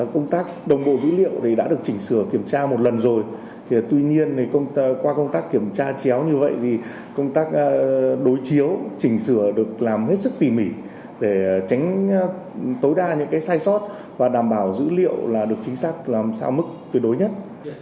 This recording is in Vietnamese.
công tác đồng bộ dữ liệu đã được chỉnh sửa kiểm tra một lần rồi tuy nhiên qua công tác kiểm tra chéo như vậy thì công tác đối chiếu chỉnh sửa được làm hết sức tỉ mỉ để tránh tối đa những sai sót và đảm bảo dữ liệu là được chính xác làm sao mức tuyệt đối nhất